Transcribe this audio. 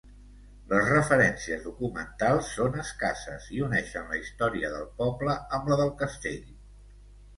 Les referències documentals són escasses i uneixen la història del poble amb la del castell.